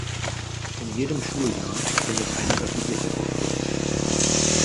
In jedem Schuljahr findet eine öffentliche Aufführung statt.